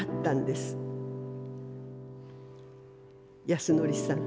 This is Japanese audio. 安典さん